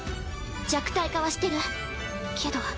弱体化はしてるけど。